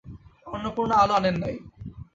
অন্নপূর্ণা আলো আনেন নাই।